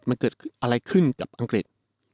มันเกิดอะไรขึ้นกับอังกฤษ